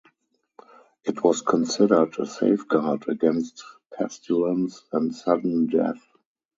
It was considered a safeguard against pestilence and sudden death.